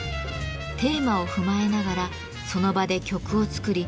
テーマを踏まえながらその場で曲を作り